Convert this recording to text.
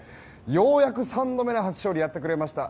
ようやく３度目の初勝利やってくれました。